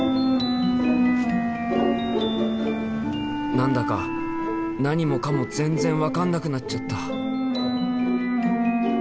何だか何もかも全然分かんなくなっちゃった。